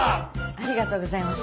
ありがとうございます。